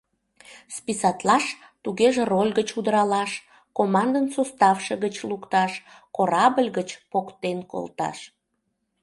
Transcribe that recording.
Списатлаш — тугеже роль гыч удыралаш, командын составше гыч лукташ, корабль гыч поктен колташ.